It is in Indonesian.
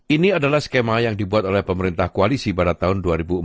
ini adalah skema yang dibuat oleh pemerintah koalisi pada tahun dua ribu empat belas